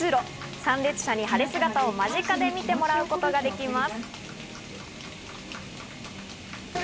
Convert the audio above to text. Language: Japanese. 参列者に間近に見てもらうことができます。